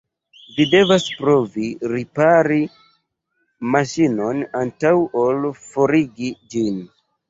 Vi devas provi ripari maŝinon antaŭ ol forigi ĝin.